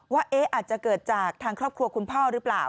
ว่าอาจจะเกิดจากทางครอบครัวคุณพ่อหรือเปล่า